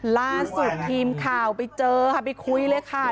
ล่าสุดทีมข่าวไปเจอค่ะไปคุยเลยค่ะ